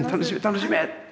楽しめ！